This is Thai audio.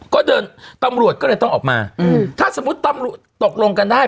ก็เดินตำรวจก็เลยต้องออกมาอืมถ้าสมมุติตำรวจตกลงกันได้